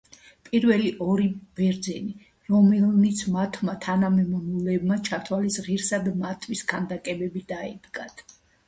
პირველი ორი ბერძენი, რომელნიც მათმა თანამემამულეებმა ჩათვალეს ღირსად მათთვის ქანდაკებები დაედგათ.